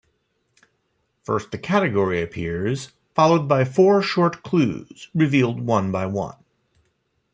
First the category appears, followed by four short clues revealed one by one.